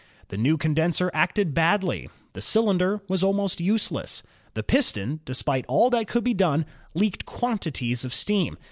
The new condenser acted badly. The cylinder was almost useless. The piston, despite all that could be done, leaked quantities of steam.